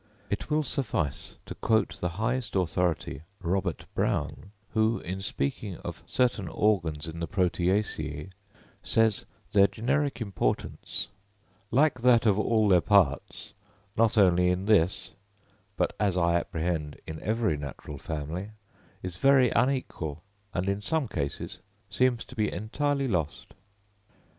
It will suffice to quote the highest authority, Robert Brown, who, in speaking of certain organs in the Proteaceæ, says their generic importance, "like that of all their parts, not only in this, but, as I apprehend in every natural family, is very unequal, and in some cases seems to be entirely lost."